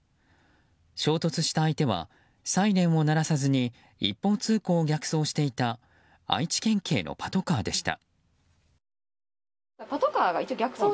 衝突した相手はサイレンを鳴らさずに一方通行を逆走していた愛知県警のパトカーでした。